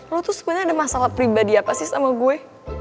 lo tuh sebenarnya ada masalah pribadi apa sih sama gue